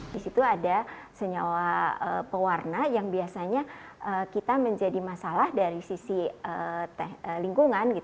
di situ ada senyawa pewarna yang biasanya kita menjadi masalah dari sisi lingkungan